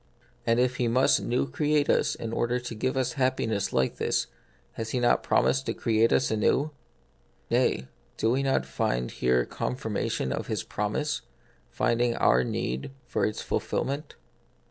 And if He must new create us in order to give us happiness like this, has He not promised to create us anew ? Nay, do we not find here confirmation of His promise, finding our need for its fulfil ment